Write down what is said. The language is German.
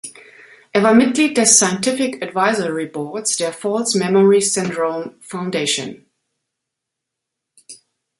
Er war Mitglied des Scientific Advisory Boards der False Memory Syndrome Foundation.